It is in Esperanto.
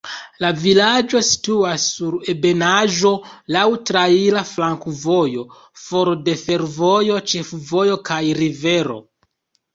La vilaĝo situas sur ebenaĵo, laŭ traira flankovojo, for de fervojo, ĉefvojo kaj rivero.